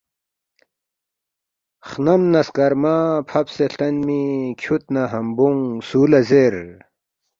خنم نہ سکرمہ فابسے ہلتانمی کھیود نہ حمبونگ سُو لا زیر